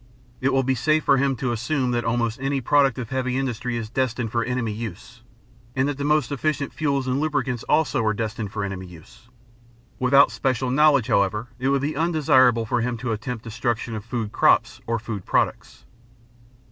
It will be safe for him to assume that almost any product of heavy industry is destined for enemy use, and that the most efficient fuels and lubricants also are destined for enemy use. Without special knowledge, however, it would be undesirable for him to attempt destruction of food crops or food products.